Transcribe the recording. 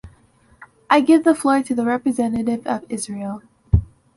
I give the floor to the representative of Israel.